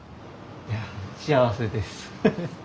いや幸せです。